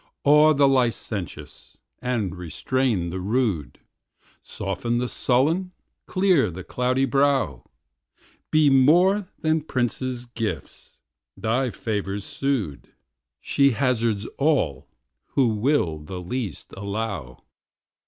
Awe the licentious, and restrain the rude; Soften the sullen, clear the cloudy brow: Be, more than princes' gifts, thy favours sued; She hazards all, who will the least allow.